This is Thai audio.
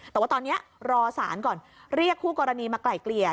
แต่ว่าตอนนี้รอสารก่อนเรียกคู่กรณีมาไกล่เกลี่ย